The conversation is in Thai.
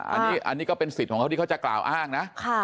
อันนี้ก็เป็นสิทธิ์ของเขาที่เขาจะกล่าวอ้างนะ